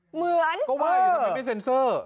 เหมือนก็ว่าอยู่ทำไมไม่เซ็นเซอร์